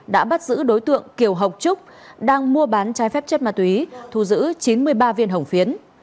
đã bắt giữ đối tượng kiều học trúc đang mua bán trái phép chất ma túy thu giữ chín mươi ba viên hồng phiến